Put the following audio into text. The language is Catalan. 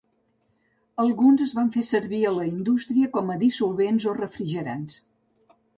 Alguns es fan servir a la indústria com a dissolvents o refrigerants.